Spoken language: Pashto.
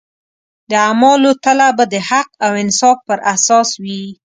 د اعمالو تله به د حق او انصاف پر اساس وي.